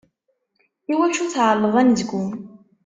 Iwacu tɛelleḍ anezgum?